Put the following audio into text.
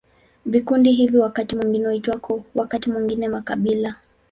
Vikundi hivi wakati mwingine huitwa koo, wakati mwingine makabila.